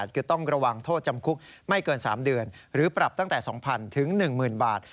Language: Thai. คือต้องระวังโทษจำคุกไม่เกิน๓เดือนหรือปรับตั้งแต่๒๐๐๑๐๐บาท